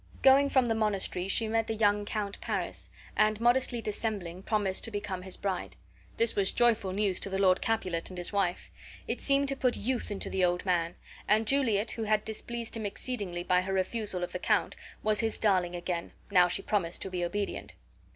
Going from the monastery, she met the young Count Paris, and, modestly dissembling, promised to become his bride. This was joyful news to the Lord Capulet and his wife. It seemed to put youth into the old man; and Juliet, who had displeased him exceedingly by her refusal of the count, was his darling again, now she promised to be obedient.